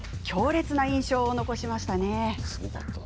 強烈な印象を残しました。